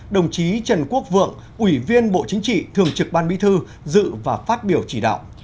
đồng chí trần quốc vượng ủy viên bộ chính trị thường trực ban bí thư dự và phát biểu chỉ đạo